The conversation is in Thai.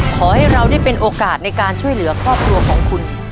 ขอให้เราได้เป็นโอกาสในการช่วยเหลือครอบครัวของคุณ